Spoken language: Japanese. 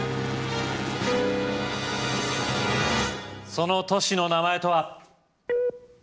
その都市の名前とは？